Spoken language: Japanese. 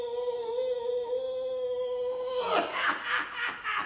ハハハハハ。